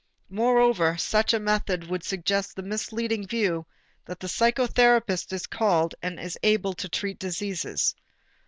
Moreover, such a method would suggest the misleading view that the psychotherapist is called and is able to treat diseases.